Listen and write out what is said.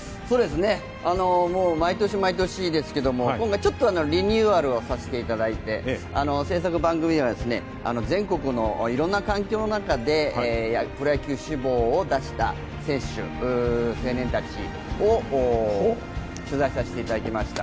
毎年毎年ですけど、今回ちょっとリニューアルをさせていただいて制作番組では、全国のいろんな環境の中でプロ野球志望を出した選手、青年たちを取材させていただきました。